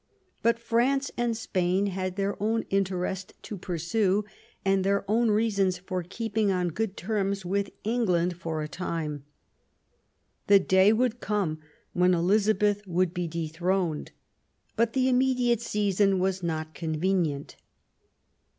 But France and Spain had their own interest to pursue, and their own reasons for keeping on good terms with England for a time. The day would come when Elizabeth would be dethroned ; but the immediate season was not convenient.